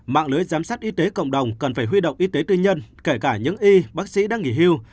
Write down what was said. mạng lưới giám sát y tế cộng đồng cần phải huy động y tế tư nhân kể cả những y bác sĩ đang nghỉ hưu